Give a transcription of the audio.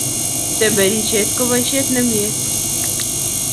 semberishet ko posihet nemie